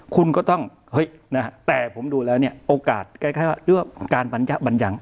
คุณก็ต้องเฮ้ยนะฮะแต่ผมดูแล้วเนี่ยโอกาสคล้ายว่าด้วยการบรรยะบัญญัง